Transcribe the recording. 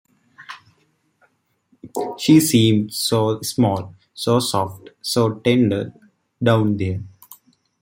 She seemed so small, so soft, so tender, down there.